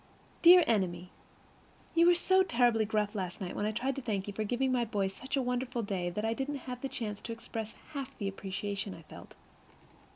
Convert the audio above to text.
Dear Enemy: You were so terribly gruff last night when I tried to thank you for giving my boys such a wonderful day that I didn't have a chance to express half of the appreciation I felt.